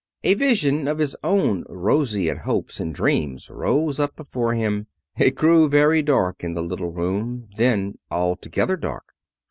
A vision of his own roseate hopes and dreams rose up before him. It grew very dark in the little room, then altogether dark.